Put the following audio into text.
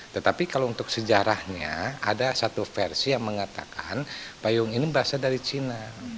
tetapi kalau untuk sejarahnya ada satu versi yang mengatakan payung ini berasal dari cina